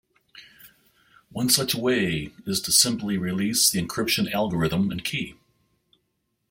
One such way is simply to release the encryption algorithm and key.